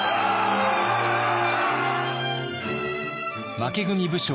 負け組武将